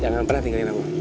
jangan pernah tinggalin aku